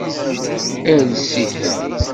Ales-it.